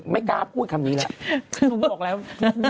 ไม่กล้าพูดคำนี้แหละ